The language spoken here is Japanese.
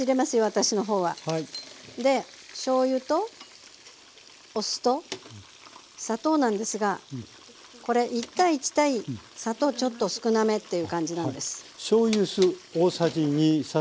私の方は。でしょうゆとお酢と砂糖なんですがこれ１：１砂糖ちょっと少なめっていう感じなんです。